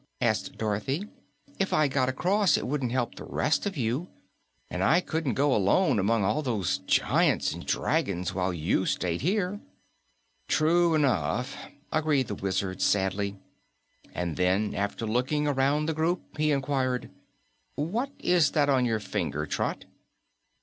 asked Dorothy. "If I got across, it wouldn't help the rest of you, and I couldn't go alone among all those giants and dragons while you stayed here." "True enough," agreed the Wizard sadly. And then, after looking around the group, he inquired, "What is that on your finger, Trot?"